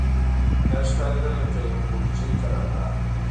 داسې ښکارېدل لکه یوه پوځي قرارګاه.